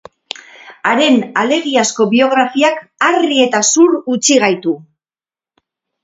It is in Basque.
Haren alegiazko biografiak harri eta zur utzi gaitu!